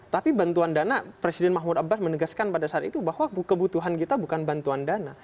tapi bantuan dana presiden mahmud abbas menegaskan pada saat itu bahwa kebutuhan kita bukan bantuan dana